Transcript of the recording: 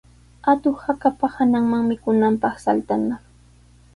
Atuq hakapa hananman mikunanpaq saltanaq.